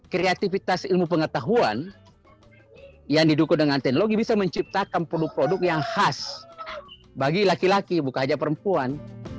kreativitas ilmu pengetahuan yang didukung dengan teknologi bisa menciptakan produk produk yang khas bagi laki laki bukan saja perempuan